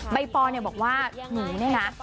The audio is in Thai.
ใบปอธิบายบอกว่าหนูเนี่ยนะ